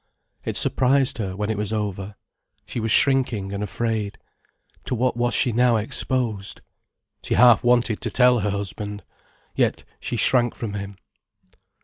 It surprised her, when it was over. She was shrinking and afraid. To what was she now exposed? She half wanted to tell her husband. Yet she shrank from him.